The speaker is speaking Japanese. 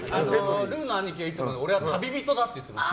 ルーの兄貴はいつも俺は旅人だって言ってます。